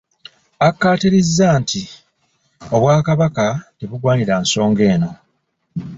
Akkaatirizza nti Obwakabaka tebuwagira nsonga eno.